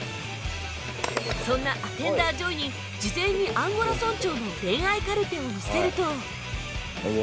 そんなアテンダー ＪＯＹ に事前にアンゴラ村長の恋愛カルテを見せると